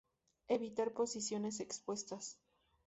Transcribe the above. Evitar posiciones expuestas.